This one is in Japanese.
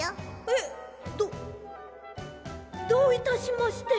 えっどどういたしまして。